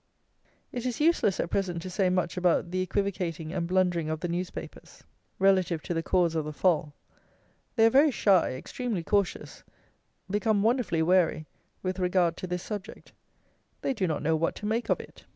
It is useless at present to say much about the equivocating and blundering of the newspapers, relative to the cause of the fall. They are very shy, extremely cautious; become wonderfully wary, with regard to this subject. They do not know what to make of it.